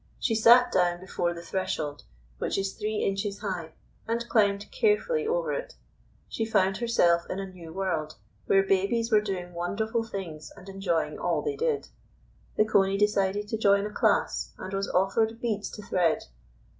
She sat down before the threshold, which is three inches high, and climbed carefully over it. She found herself in a new world, where babies were doing wonderful things and enjoying all they did. The Coney decided to join a class, and was offered beads to thread.